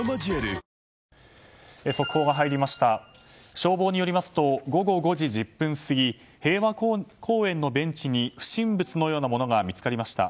消防によりますと午後５時１０分過ぎ平和公園のベンチに不審物のようなものが見つかりました。